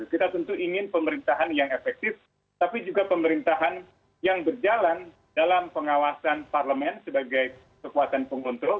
kita tentu ingin pemerintahan yang efektif tapi juga pemerintahan yang berjalan dalam pengawasan parlemen sebagai kekuatan penguntung